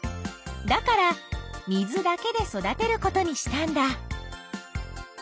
だから水だけで育てることにしたんだ。